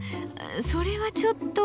それはちょっと。